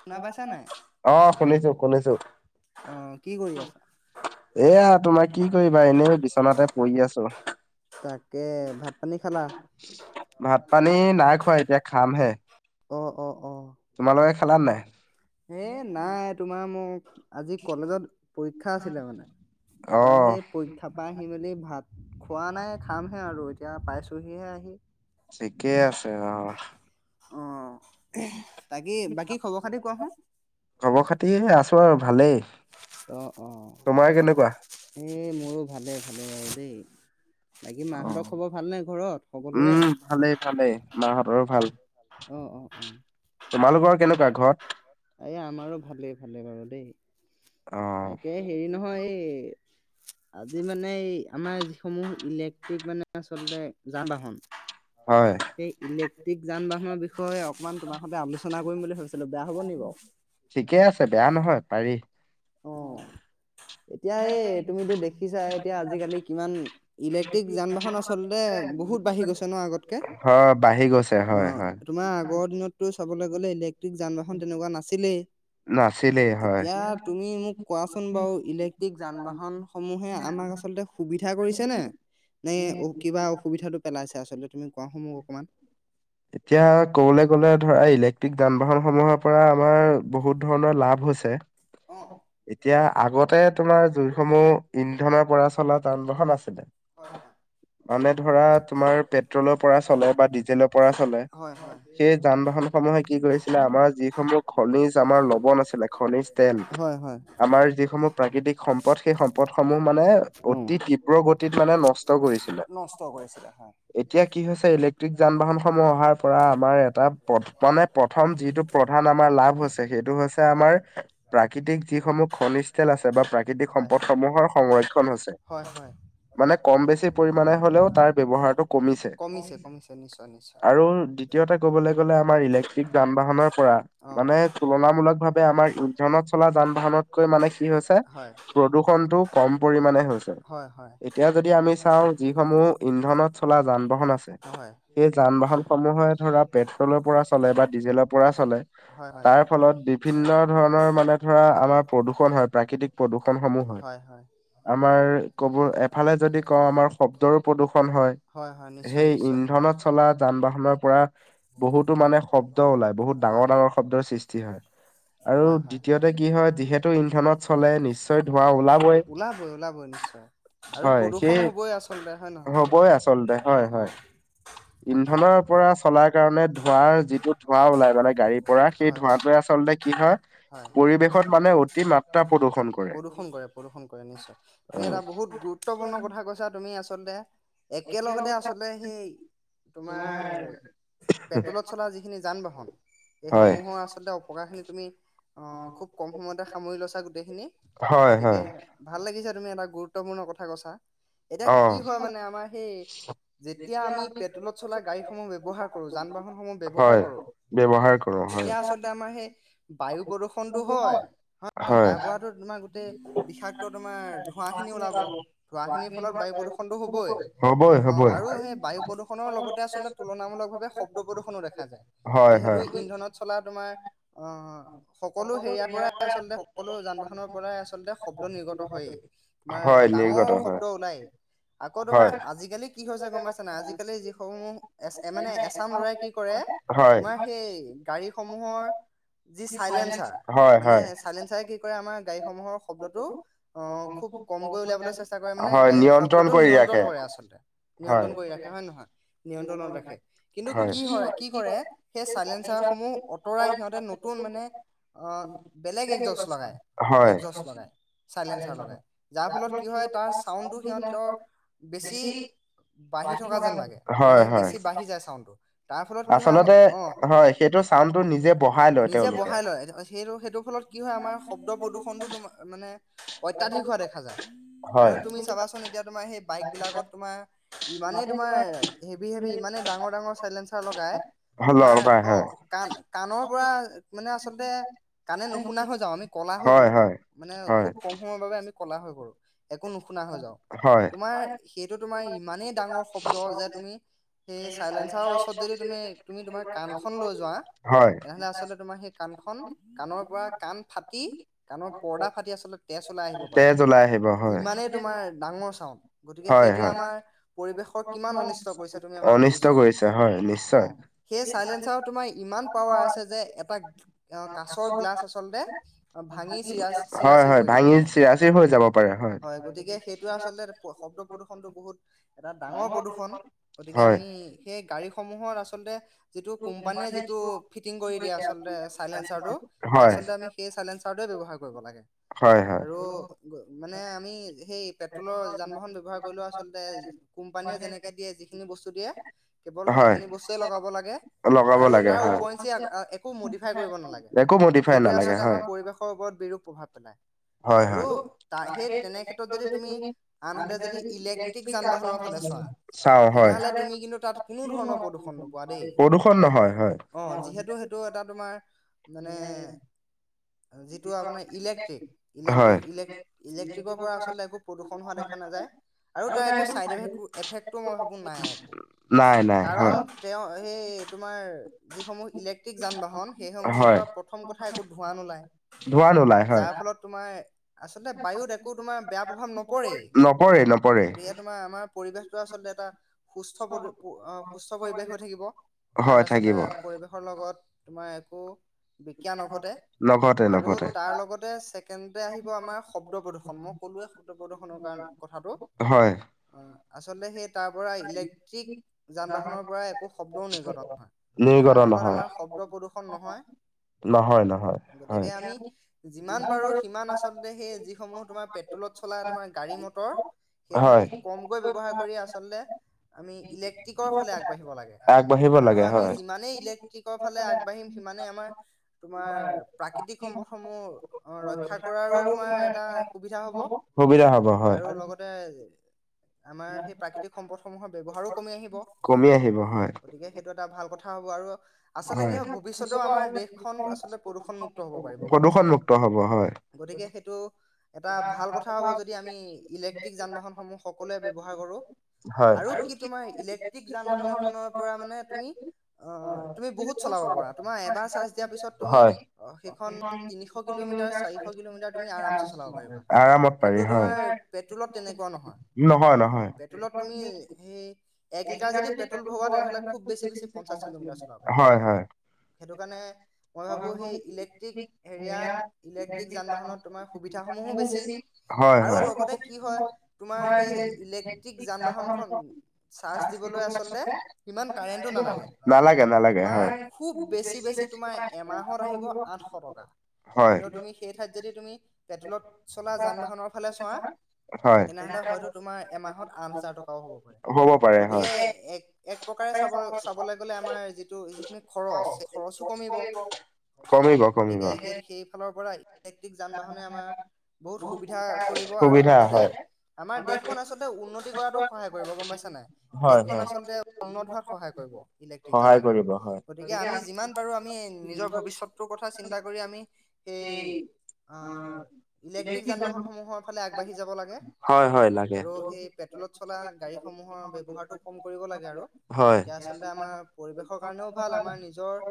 শুনা পাইছা নে নাই, অ শুনিছো শুনিছো আহ কি কৰি আছা? এয়া, তোমাৰ কি কৰিবা এনেই বিচনাতে পৰি আছোঁ। তাকে, ভাত পানী খালা? ভাত পানী নাই খোৱা, এতিয়া খামহে। অ' অ' অ' তোমালোকে খালান নাই? এ, নাই। তোমাৰ মোক আজি কলেজত পৰীক্ষা আছিলে মানে, অ তাৰপা সেই পৰি ক্ষা আহি মেলি ভাত খোৱা নাই, খামহে আৰু এতিয়া পাইছোঁহিহে আহি। ঠিকেই আছে অ',। অ', [unintelligible] বাকী খবৰ খাতি কোৱাচোন? খবৰ খাতি আছো আৰু ভালেই। তোমাৰ কেনেকুৱা? এ, মোৰো ভালে, ভালে আৰু দেই। বাকী অ মাহঁতৰ খবৰ ভালনে ঘৰত সকলোৰে? উম ভালেই ভালেই, মাহঁতৰো ভাল। অ', অ', অ',। তোমালোকৰ কেনেকুৱা ঘৰত? এই আমাৰো ভালেই, ভালেই বাৰু দেই। অ তাকে হেৰি নহয়, এই আজি মানে, আমাৰ যিসমূহ ইলেক্ট্ৰিক মানে আচলতে যান-বাহন হয়, সেই ইলেক্ট্ৰিক যান বাহনৰ বিষয়ে অকমান তোমাৰ সৈতে আলোচনা কৰিম বুলি ভাবিছিলো বেয়া হ'ব নি বাৰু? ঠিকে আছে, বেয়া নহয় পাৰি। অ' এতিয়া এই তুমিতো দেখিছা এতিয়া আজিকালি কিমান ইলেক্ট্ৰিক যান বাহন আ আচলতে বহুত বাঢ়ি গৈছে ন আগতকে? হয় বাঢ়ি গৈছে অ, হয় হয় তোমাৰ আগৰ দিনত টো চাবলৈ গ'লে ইলেক্ট্ৰিক যান বাহন তেনেকুৱা নাছিলেই। নাছিলেই হয়। তুি মোক কোৱাচোন বাৰু ইলেক্ট্ৰিক যান বাহনসমূহে আমাক আচল সুবিধা কৰিছেনে, নে অ, কিবা অসুবিধাতটো পেলাইছে আচলতে তুমি কোৱা হ মোক অকণমান? এতিয়া ক'বলৈ গ'লে ধৰা ইলেক্ট্ৰিক যান বাহন সমূহৰ পৰা আমাৰ বহুত ধৰণৰ লাভ হৈছে। অ', এতিয়া আগতে তোমাৰ জুইসমূহ ইন্ধনৰ পৰা চলা যান বাহন আছিলে, হয়, হয়, মানে ধৰা তোমাৰ পেট্ৰলৰ পৰা চলে বা ডিজেলৰ পৰা পৰা চলে হয়, হয়, সেই যান বাহন সমূহে কি কৰিছিলে আমাৰ যিসমূহ খনিজ আমাৰ ল'ব নাছিলে খনিজ তেল, হয়, আমাৰ যিসমূহ প্ৰাকৃতিক সম্পদ সেই সম্পদ সমূহ মানে হয়। অতি তীব্ৰ গতিত মানে নষ্ট কষ্ট কৰিছিলে। নষ্ট কৰিছে। ছিলে হ এতিয়া কি হৈছে ইলেক্ট্ৰিক যান-বাহন প্ৰথম অহাৰ পৰা আমাৰ এটা মানে প্ৰথম যিটো প্ৰধান আমাৰ লাভ হৈছে সেইটো হৈছে। হয়, আমাৰ প্ৰাকৃতিক যিসমূহ খনিজল আছে বা প্ৰাকৃতিক হয়, সম্পদ সমূহৰ সংৰক্ষণ হৈছে। হয়, হয়। মানে কম বেছি পৰিমাণে হলেও তাৰ ব্যৱহাৰটো কমিছে। কমিছে, কমিছে নিশ্চয়, নিশ্চয়। আৰু দ্বিতীয়তে ক'বলৈ গ'লে আমাৰ ইলেক্ট্ৰিক যান বাহনৰ পৰা অ', মানে তুলনামূলক ভাৱ আমাৰ ইধনত চলা যান বাহনতকৈ মানে কি হৈছে। হয়, প্ৰদূষণটো কম পৰিমানে হৈছে। হয়, হয়, হয়। এতিয়া যদি আমি চাওঁ যিসমূহ ইন্ধনত চলা যান-বাহন আছে। হয়। যান-বাহনসমূহে ধৰা পেট্ৰলৰ পৰা চলে বা ডিজেলৰ পৰা চলে হয়, হয়, তাৰ ফলত বিভিন্ন ধৰণৰ মানে ধৰা আমাৰ প্ৰদূৰণ হয়, প্ৰাকৃতিক প্ৰদূষণ সমূহ হয়। আমাৰ কব এফালে যদি কওঁ আমাৰ শব্দৰো প্ৰদূৰ্ষণ হয়। হয়, নিশ্চয়, সেই নিশ্চয় হয়, ইন্ধনত চলা যান-বাহনৰ পৰা বহুতো মানে শব্দ ওলাই বহুত হয়, ডাঙৰ, ডাঙৰ শব্দৰ সৃষ্টি হয়। আৰু হয়, হয়। দ্বিতীয়তে কি হয় যিহেতু ইন্ধনত চলে নিশ্চয় ধোঁৱা ওলাবই। ওলাব, ওলাব, নিশ্চয়। আৰু হয় সেই প্ৰদূষণ হ'বই আচলতে হয় নহয় হ'বই আচলতে হয় অ', হয় অ'। তাকে ইন্ধনৰ পৰা চলাৰ কাৰণে ধোঁৱাৰ যিটো ধোঁৱা ওলাই মানে গাড়ীৰ পৰা সেই হয়, ধোঁৱ য়ে আচলতে কি [inaudible] হয় পৰিৱেশত মানে অতি মাত্ৰা প্ৰদূষন কৰে প্ৰদূষণ কৰে, প্ৰদূষণ কৰে নিশ্চয়। অ তুমি এটা বহুত গুৰুত্বপূৰ্ণ কথা কৈছা তুমি আচলতে। একেলগতে আচলতে সেই তোমাৰ পেট্ৰলত চলা যিখিনি যান-বাহন হয় এইসমূহৰ আচলতে অপকাৰ খিনি তুমি অ, খুব কম সময়তে সামৰি লৈছা গোটেইখিনি হয় গতিকে হয় ভাল লাগিছা তুমি এটা গুৰুত্বপূৰ্ণ কথা কৈছা এতিয়া অ কি হয় মানে আমাৰ সেই যেতিয়া আমি পেট্ৰলত চলা গাড়ীসমূহ ব্যৱহাৰ কৰো যান বাহনসমূহ ব্যৱহাৰ হয় কৰোঁ। ব্যৱহাৰ কৰো হয় এতিয়া আচলতে আমাৰ সেই বায়ু প্ৰদূ্ষণতটো হয়। হয়, হয়, তাৰ পৰাতো তোমাৰ গোটেই বিষাক্ত তোমাৰ ধোঁৱাখিনি ওলাব ধোঁৱাখিনিৰ ফলত বায়ু প্ৰদূষণতটো হ'বই। হ'বই অ, আৰু হ'বই সেই বায়ু প্ৰদূৰষণৰ লগতে আচলতে তুলনামূলক ভাৱে শব্দ প্ৰদূষণো দেখা যায়। হয় যিহেতু হয় ইন্ধনত চলা তোমাৰ অ'। সকলো হেৰিয়াৰ পৰাই আচলতে সকলো যান-বাহনৰ পৰাই আচলতে শব্দ নিৰ্গত হয়েই। তোমাৰ হয় ডাঙৰ নিৰ্গত হয় শব্দ ওলাই। আকৌ হয় তোমাৰ আজিকালি কি হৈছে গম পাইছ না আজিকালি যিসমূহ এ মানে এছাম লৰাই কি কৰে হয় তোমাৰ সেই গাড়ীসমূহৰ যি চাইলেঞ্চাৰ হয় মানে হয় চাইলেঞ্চাৰে কি কৰে আমাৰ গাড়ীসমূহৰ শব্দটো আহ খুব কমকৈ উলিয়াবলৈ চেষ্টা কৰে মানে হয় গাড়ীৰ নিয়ন্ত্ৰণ শব্দটো কৰি নিয়ন্ত্ৰণ ৰাখে কৰে আচলতে। হয় নিয়ন্ত্ৰণ কৰি ৰাখে হয় নে নহয় নিয়ন্ত্ৰণত ৰাখে কিন্তু কি হয় কি কৰে সেই চাইলেঞ্চাৰ সমূহ আঁতৰাই সিহঁতে নতুন মানে আহ বেলেগ একজষ্ট লগায়। হয় একজষ্ট লগাই চাইলেঞ্চাৰ লগাই যাৰ ফলত কি হয় চাউণ্ড সিহঁতৰ বেছি বাঢ়ি থকা যেন লাগে মানে হয় হয় বেছি বাঢ়ি যায় চাউণ্ডটো তাৰ ফলত কি হয় আমাৰ আচলতে হয় অ'। সেইটো ছাউণ্ডটো নিজে বহাই লয়। নিজে তেওঁলোকে বঢ়াই লয় সেইটো সেইটো ফলত কি হয় আমাৰ শব্দ প্ৰদূষণটো তোম মানে অত্যাধিক হোৱা দেখা যায়। আৰু হয়। তুমি চাবাচোন এতিয়া তোমাৰ সেই বাইক বিলাকত তোমাৰ ইমানেই তোমাৰ হেভি হেভি ইমানে ডাঙৰ ডাঙৰ চাইলেঞ্চাৰ লগাই হয় তোমাৰ হয় অ' হয় কাণ কাণৰ পৰা মানে আচলতে কাণে নুশুনা হৈ যাও আমি ক'লা হৈ হয় পৰো মানে হয় খুব কম সময় বাবে আমি কলা হৈ পৰো। একো নুশুনা হৈ যাও হয় তোমাৰ সেইটো তোমাৰ ইমানেই ডাঙৰ শব্দ যে তুমি সেই চাইলেঞ্চাৰৰ ওচৰত যদি তুমি তুমি তোমাৰ কাণখন লৈ যোৱা হয় তেনেহলে আচলতে তোমাৰ সেই কাণখন কাণৰ পৰা কাণ ফাটি কাণৰ পৰ্দা ফাটি আচলতে তেজ ওলাই আহিব পাৰে তেজ ওলাই আহিব হয় ইমানেই তোমাৰ ডাঙৰ চাউণ্ড গতিকে হয় সেইটোৱে হয় আমাৰ পৰিবেশৰ কিমান অনিষ্ট কৰিছা তুমি এবাৰ অনিষ্ট ভাবিছোৱা কৰিছে হয় নিশ্চয় অ' সেই চাইলেঞ্চাৰ তোমাৰ ইমান পাৱাৰ আছে যে এটা কাছৰ গ্লাছ আচলতে ভাঙি চিৰা চিৰা হয় চিৰি হয় কৰি দিব ভাঙি পাৰে। চিৰাচিৰ হৈ যাব পাৰে হয় গতিকে সেইটোৱে আচলতে শব্দ প্ৰদূষনটো বহুত এটা ডাঙৰ প্ৰদূৰ্ষণ গতিকে হয় আমি সেই গাড়ীসমূহত আচলতে যিটো কোম্পানীয়ে যিটো ফিটিং কৰি দিয়া আচল চাইলেঞ্চাৰ হয় আচলতে আমি সেই চাইলেঞ্চাৰটোৱে ব্যৱহাৰ কৰিব লাগে হয় হয় আৰু মানে আমি সেই পেট্ৰলৰ যান বাহন ব্যৱহাৰ কৰিলেও আচলতে কোম্পানীয়ে যেনেকে দিয়ে যিখিনি বস্তু দিয়ে কেৱল হয় সেইখিনি বস্তুৱে লগাব লাগে লগাব আৰু লাগে তাৰ হয় উপওৰিঞ্চি একো মদিফাই কৰিব নালাগে একো মডিফাই সেইটোৱে নালাগে আচলতে হয় আমাৰ পৰিৱেশৰ ওপৰত বিৰূপ প্ৰভাৱ পেলায় হয় আৰু হয় সেই তেনে ক্ষেত্ৰত যদি তুমি আনহাতে যদি ইলেক্ট্ৰিক যান বাহনৰ ফালে চোৱা চাওঁ হয় তেনেহলে তুমি কিন্তু তাত কোনো ধৰণৰ প্ৰদূ্ষণ নোপোৱা দেই প্ৰদূষণ নহয় হয় অ' যিহেতু সেইটো এটা তোমাৰ মানে যিটো আপোনাৰ ইলেক্ট্ৰিক ইলেকট্ৰ হয় ইলেক্ট্ৰিকৰ পৰা আচলতে একো প্ৰদূষণ হোৱা দেখা নাযায় আৰু তাৰ একো চাইড এফক্ এফেক্টোটো মই ভাবো নাই একো নাই নাই কাৰণ হয় তেওঁ সেই তোমাৰ যিসমূহ ইলেক্ট্ৰিক যান বাহন সেইসমূহৰ হয় পৰা প্ৰথম কথা একো ধোৱা নোলায় ধোঁৱা নোলাই হয় যাৰ ফলত তোমাৰ আচলতে বায়ুত একো তোমাৰ বেয়া প্ৰভাৱ নপৰে নপৰে নপৰে গতিকে তোমাৰ আমাৰ পৰিৱেশটো আচলতে এটা সুস্থ পৰি সুস্থ পৰিৱেশ হৈ থাকিব তাত হয় আচলতে থাকিব পৰিৱেশ লগত তোমাৰ একো বিক্যা নঘটে নঘটে আৰু নঘটে তাৰ লগতে ছেকেনডে আহিব আমাৰ শব্দ প্ৰদুষণ মই ক'লোয়ে শব্দ প্ৰদুষণৰ কাৰণে কথাটো হয়। অ আচলতে সেই তাৰ পৰা ইলেক্ট্ৰিক যান বাহনৰ পৰা একো শব্দও নিৰ্গতনহয় নিৰ্গত যাৰ ফলত নহয় আমাৰ শব্দ প্ৰদূষণ নহয় হয় ন হয় গতিকে হয় আমি যিমান পাৰো সিমান আচলতে সেই যিসমূহ তোমাৰ পেট্ৰলত চলা তোমাৰ গাড়ী মটৰ সেইসমূহ হয় কমকৈ ব্য্ৱহাৰ কৰি আচলতে আমি ইলেক্ট্ৰিকৰ ফালে আগবাঢ়িব লাগে আগবাঢ়িব আৰু লাগে আমি হয় যিমানেই ইলেক্ট্ৰিকৰ ফালে আগবাঢ় আহিম সিমানে আমাৰ তোমাৰ প্ৰাকৃতিক সম্পদ সমূহ অ ৰক্ষা কৰাৰো তোমাৰ এটা সুবিধা হ'ব সুবিধা হ'ব হয় আৰু লগত আমাৰ সেই প্ৰাকৃতিক সম্পদসমূহৰ ব্য়ৱহাৰো কমি আহি কমি আহিব হয় সেইটো এটা ভাল কথা হ'ব আৰু আচলতে কি হয় ভৱিষ্যতেও আমাৰ দেশখন আচলতে প্ৰদূষণমুক্ত হ'ব পাৰিব গম পাইছা নাই প্ৰদূষণমুক্ত হ'ব হয়। গতিকে সেইটো এটা ভাল কথা হ'ব যদি আমি ইলেক টিক যান বাহনসমূহ সকলোৱে ব্যৱহাৰ কৰোঁ হয়। আৰু কি তোমাৰ ইলেক্ট্ৰিক যান বাহন এখনৰ পৰা মানে তুমি আহ তুমি বহুত চলাব পাৰা, তোমাৰ এবাৰ চাৰ্জ দিয়াৰ পিছত তুমি হয়। সেইখন তিনিশ কিলোমিটাৰ চাৰিশ কিলোমিটাৰ তুমি আৰামচে চলাব পাৰিবা, আৰামত কিন্তু পাৰি হয়, তোমাৰ পেট্ৰলত তেনেকুৱা নহয় নহয় নহয়। পেট্ৰলত তুমি সেই এক লিটাৰ যদি পেট্ৰল ভওৱা তেনেহ'লে খুব বেছি বেছি পঞ্চাছ কিলোমিটাৰ চলাব হয় হয়। সেইটোকাৰণে মই ভাবো সেই ইলেক্ট্ৰিক হেৰিয়াত ইলেক্ট্ৰিক যান বাহনত তোমাৰ সুবিধাসমূহো বেছি হয় আৰু হয়। লগতে কি হয় তোমাৰ সেই ইলেক্ট্ৰিক যান বাহনখন চাৰ্জ দিবলৈ আচল্ততে ইমান কাৰেণ্টো নালাগে নালাগে নালাগে হয়। তুমাৰ খুব বেছি বেছি তোমাৰ এমাহত আহিব আঠশ টকা হয় কিন্তু তুমি সেই ঠাইত যদি তুমি পেট্ৰলত চলা যান বাহনৰ ফালে চোৱা হয়, তেনেহলে হয়তো তোমাৰ এমাহত আঠ হাজাৰ টকাও হ'ব পাৰে হ'ব পাৰে গতিকে হয়। এক এক প্ৰকাৰে চাব চাবলৈ গ'লে আমাৰ যি যিখিনি খৰচ খৰচো কমিব কমিব কমিব, গতিকে সেই সেইফালৰ পৰা ইলেক্ট্ৰিক যান বাহনে আমাৰ বহুত সুবিধা কৰিব আৰু সুবিধা লগতে হয়। আমাৰ দেশখন আচলতে উন্নতি কৰাতো সহায় কৰিব গম পাইছা নাই হয় দেশখন হয়। আচলতে উন্নত হোৱাত সহায় কৰিব ইলেক্ট্ৰিক যান সহায় বাহনে কৰিব হয়। গতিকে আমি যিমান পাৰো আমি নিজৰ ভৱিষ্যতটোৰ কথা চিন্তা কৰি আমি সেই আহ ইলেক্ট্ৰিক যান বাহন সমূহৰ ফালে আগবাঢ়ি যাব লাগে, হয় হয় লাগে আৰু সেই পেট্ৰলত চলা গাড়ীসমূহৰ ব্যৱহাৰটো কম কৰিব লাগে আৰু হয় তেতিয়া আচলতে আমাৰ পৰি কাৰণেও ভাল আমাৰ নিজৰ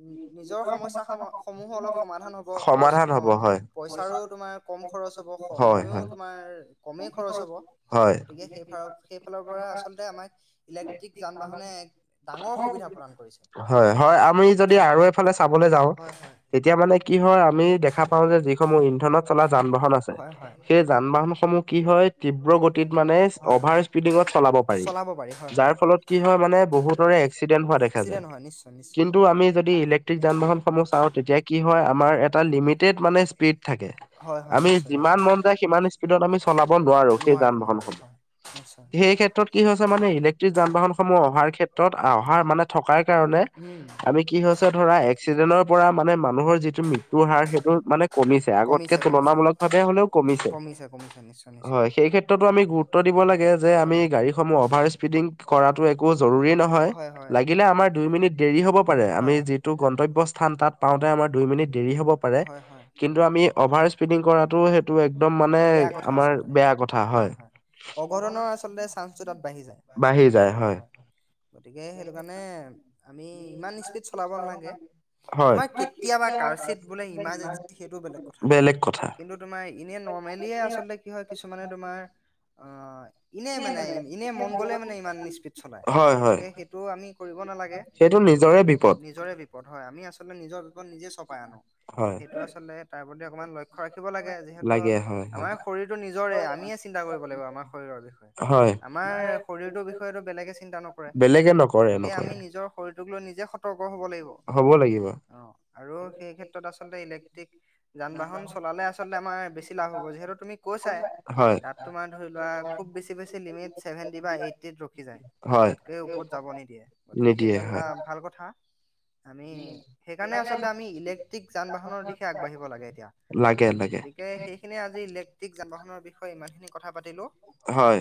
উ নিজৰ সমস্যাসম-সমূহো অলপ সমাধান হ'ব প সমাধান হ'ব আহ হয়। পইচাৰো তোমাৰ কম খৰচ হ'ব, হয় সময়ো হয় তোমাৰ কমেই খৰচ হ'ব হয়। গতিকে সেইফালৰ পৰা আচলতে আমাক ইলেক্ট্ৰিক যান বাহনে এক ডাঙৰ সুবিধা প্ৰদান কৰিছে। হয় হয়, আমি যদি আৰু এইফালে চাবলৈ যাওঁ হয় হয় তেতিয়া মানে কি হয় আমি দেখা পাওঁ যে যিসমূহ ইন্ধনত চলা যান বাহন আছে হয় হয় সেই যান বাহনসমূহ কি হয় তীব্ৰ গতিত মানে হয় অভাৰ স্পিডিঙত চলাব পাৰি পাৰি হয় যাৰ হয় ফল লত কি হয় মানে বহুতৰে এক্সিডেণ্ট হোৱা দেখা যায় এক্সিডেণ্ট হয় নিশ্চয় নিশ্চয় কিন্তু আমি যদি ইলেক্ট্ৰিক যান বাহনসমূহ চাওঁ তেতিয়া কি হয় আমাৰ এটা লিমিটেড মানে স্পীড থাকে। হয় হয় আমি নিশ্চয় যিমান নিশ্চয় মন যায় সিমান স্পীডত আমি চলাব নোৱাৰো সেই যান বাহনখন। [unintelligible] মানে ইলেক্ট্ৰিক যান বাহনসমূহ অহাৰ ক্ষেত্ৰত অহাৰ মানে থকাৰ কাৰণে উম আমি কি হৈছে ধৰা এক্সিডেন্টৰ পৰা মানে মানুহৰ যিটো মৃত্যুৰ হাৰ সেইটো মানে কমিছে আগতকে তুলনামূলক ভাৱে হ'লেও কমিছে। কমিছে কম হয়, সেই ক্ষেত্ৰতো আমি গুৰুত্ব দিব লাগে যে আমি হয় গাড়ী সমূহ অভাৰ স্পীডিং কৰাটো একো জৰুৰী নহয় হয় হয় লাগিলে হয়। টো গন্তব্য স্থান তাত পাওঁতে আমাৰ দুই মিনিট দেৰি হ'ব পাৰে। হয় হয় কিন্তু আমি অভাৰ স্পিডিং কৰাটো সেইটো একদম মানে বেয়া আমাৰ বেয়া কথা হয়। অঘটনৰৰ আচলতে চান্সটো তাত বাঢ়ি যায়, বাঢ়ি যায় হয় হয়, গতিকে সেইটো কাৰণে আমি ইমান স্পীড চলাব নালাগে। হয় তোমাৰ কেতিয়াবা কাৰ্চিত বোলে ইমাৰ্জেঞ্চি সেইটোও বেলেগ কথা। কিন্তু তোমাৰ এনে নৰ্মেলিয়ে আচলতে কি হয় কিছুমানে তোমাৰ আহ ইনে মানে ইনেই মন গ'লে মানে ইমান স্পীড চলায় হয় হয় গতিকে সেইটো আমি কৰিব নালাগে। সেইটো নিজৰে বিপদ। পদ হয়। আমি আচলতে নিজৰ বিপদ নিজে চপাই আনো। হয়। সেইটো আচলতে তাৰ প্ৰতি অকণমান লক্ষ্য ক্ষ্য ৰাখিব লাগে। যিহেতু লাগে হয় আমাৰ শৰীৰটো নিজৰে হয় আমিয়ে চিন্তা কৰিব লাগিব আমাৰ শৰীৰৰ বিষয়ে। হয় আমাৰ শৰীৰটোৰ বিষয়টো বেলেগে চিন্তা নকৰে, বেলেগে নকৰে গতিকে নকৰে আমি নিজৰ শৰীৰটোক লৈ নিজে সতৰ্ক হ'ব লাগিব। হ'ব লাগিব অ আৰু সেই ক্ষেত্ৰত আচলতে ইলেক্ট্ৰিক যান বাহন চলালে আচলতে আমাৰ বেছি লাভ হব, যিহেতু তুমি কৈছাই। হয় তাত তোমাৰ ধৰি লোৱা খুব বেছি বেছি লিমিট ছেভেণ্টি বা এইটিত ৰখি যায়। হয় তাতকে ওপৰত যাব নিদিয়ে। গতিকে সেইটো নিদিয়ে এটা হয় ভাল ল কথা, আমি সেইকাৰনে আচলতে আমি ইলে ক্টিক যান বাহনৰ দিশে আগবাঢ়িব লাগে এতিয়া। লাগে লাগে গতিকে তিকে সেইখিনিয়ে আজি ইলেক্ট্ৰিক যান বাহনৰ বিষয়ে ইমানখিনি কথা পাতিলোঁ। হয়।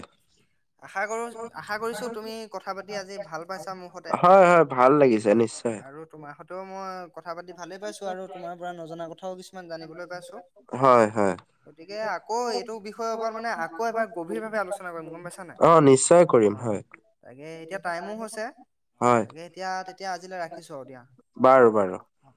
আশা কৰো আশা কৰিছো তুমি কথা পাতি আজি ভাল পাইছা মোৰ সতে। হয় হয় ভাল লাগিছে হয়। নিশ্চয় আৰু তোমাৰ সতেও মই কথা পাতি ভালে পাইছো। আৰু তোমাৰ পৰা নজনা কথাও কিছুমান জানিবলৈ পাইছো। হয় হয় গতিকে আকৌ এইটো বিষয়ৰ ওপৰত মানে আকৌ এবাৰ গভীৰভাৱে আলোচনা কৰিম গ'ম পাইছানে নাই। অ নিশ্চয় কৰিম অ' হয় তাকে এতিয়া টাইমো হৈছে হয় তাকে এতিয়া, তেতিয়া আজিলৈ ৰাখিছো আৰু দিয়া। বাৰু বাৰু। অ।